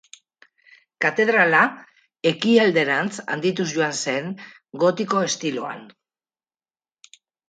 Katedrala ekialderantz handituz joan zen gotiko estiloan.